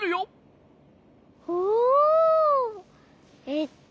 えっと。